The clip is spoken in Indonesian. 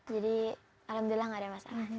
jadi alhamdulillah gak ada masalah